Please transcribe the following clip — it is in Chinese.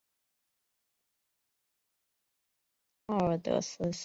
奥尔德伊斯塔博加是位于美国阿拉巴马州塔拉迪加县的一个非建制地区。